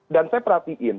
dan saya perhatiin